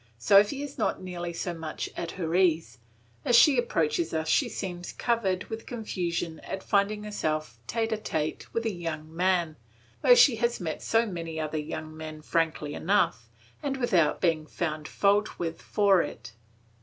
Sophy is not nearly so much at her ease; as she approaches us she seems covered with confusion at finding herself tete a tete with a young man, though she has met so many other young men frankly enough, and without being found fault with for it.